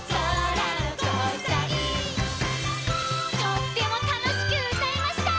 とってもたのしくうたえました！